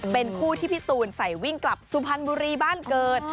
เป็นคู่ที่พี่ตูนใส่วิ่งกลับสุพรรณบุรีบ้านเกิด